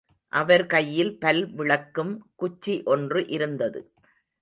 அவர் கையில் பல் விளக்கும் குச்சி ஒன்று இருந்தது.